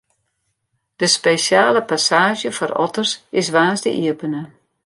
De spesjale passaazje foar otters is woansdei iepene.